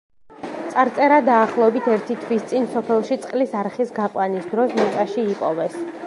წარწერა დაახლოებით ერთი თვის წინ, სოფელში წყლის არხის გაყვანის დროს მიწაში იპოვეს.